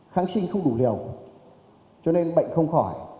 kháng sinh không đủ liều cho nên bệnh không khỏi